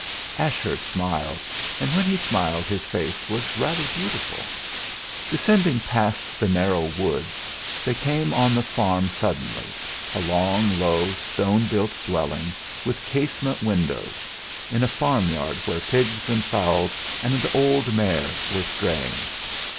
Ashurst smiled, and when he smiled his face was rather beautiful. Descending past the narrow wood, they came on the farm suddenly a long, low, stone built dwelling with casement windows, in a farmyard where pigs and fowls and an old mare were straying.